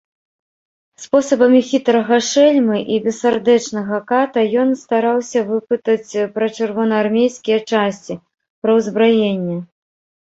Спосабамі хітрага шэльмы і бессардэчнага ката ён стараўся выпытаць пра чырвонаармейскія часці, пра ўзбраенне.